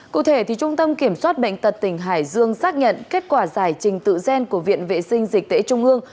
cụ thể trung tâm kiểm soát bệnh tật tỉnh hải dương xác nhận kết quả giải trình tự gen của viện vệ sinh dịch tễ trung ương